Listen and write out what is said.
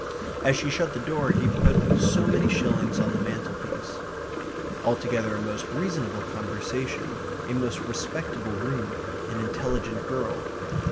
As she shut the door he put so many shillings on the mantelpiece. Altogether a most reasonable conversation; a most respectable room; an intelligent girl.